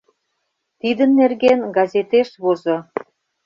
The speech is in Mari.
Тидын нерген газетеш возо.